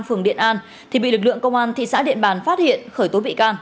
phường điện an thì bị lực lượng công an thị xã điện bàn phát hiện khởi tố bị can